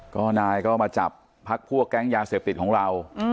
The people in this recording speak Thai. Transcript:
ก็นายก็มาจับพักพวกแก๊งยาเสพติดของเรา